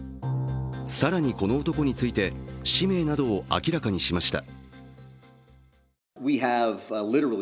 更にこの男について氏名などを明らかにしました。